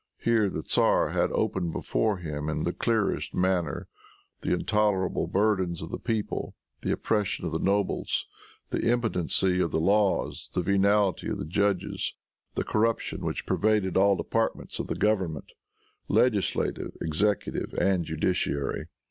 Here the tzar had opened before him, in the clearest manner, the intolerable burdens of the people, the oppression of the nobles, the impotency of the laws, the venality of the judges, the corruption which pervaded all departments of the government, legislative, executive and judiciary.